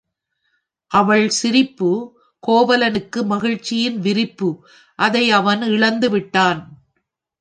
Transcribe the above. அவள் சிரிப்பு கோவலனுக்கு மகிழ்ச்சியின் விரிப்பு அதை அவன் இழந்துவிட்டான்.